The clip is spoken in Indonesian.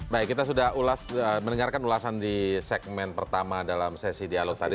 baik kita sudah ulas mendengarkan ulasan di segmen pertama dalam sesi dialog tadi